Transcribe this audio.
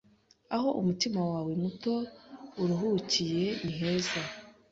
Aho umutima wawe muto uruhukiye niheza